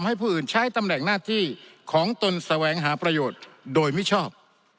ให้ผู้อื่นใช้ตำแหน่งหน้าที่ของตนแสวงหาประโยชน์โดยมิชอบ